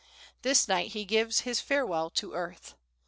This night he gives his "Farewell to Earth."